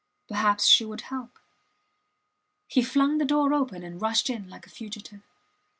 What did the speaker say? Perhaps she would help ... He flung the door open and rushed in like a fugitive.